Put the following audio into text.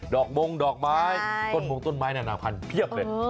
อกมงดอกไม้ต้นมงต้นไม้นานาพันธุ์เพียบเลย